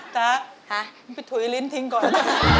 ใช้ปติให้ทุยลิ้นทิ้งก่อน